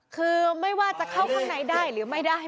คือไม่ว่าจะเข้าข้างในได้หรือไม่ได้